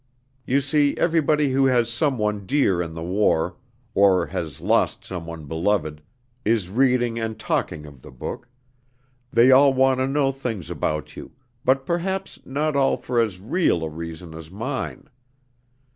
You see, everybody who has some one dear in the war, or has lost some one beloved, is reading and talking of the book. They all want to know things about you, but perhaps not all for as real a reason as mine.